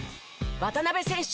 渡邊選手